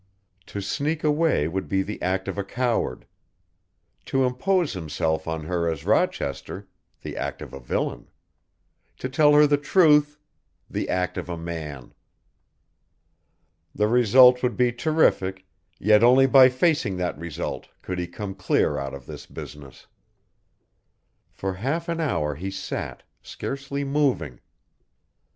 To sneak away would be the act of a coward; to impose himself on her as Rochester, the act of a villain; to tell her the truth, the act of a man. The result would be terrific, yet only by facing that result could he come clear out of this business. For half an hour he sat, scarcely moving.